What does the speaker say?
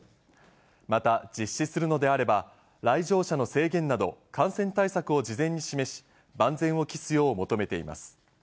また、実施するのであれば、来場者の制限など、感染対策を事前に示し、万全を期すよう求めています。